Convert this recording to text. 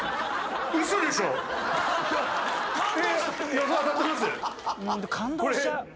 予想当たってます？